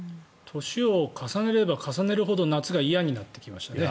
年を重ねれば重ねるほど夏が嫌になってきましたね。